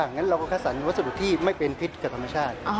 งั้นเราก็คัดสรรวัสดุที่ไม่เป็นพิษกับธรรมชาติ